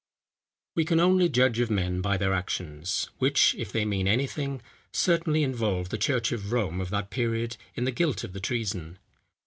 We can only judge of men by their actions; which, if they mean any thing, certainly involve the church of Rome of that period in the guilt of the treason.